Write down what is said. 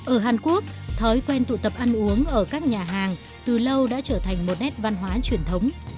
ở hàn quốc thói quen tụ tập ăn uống ở các nhà hàng từ lâu đã trở thành một nét văn hóa truyền thống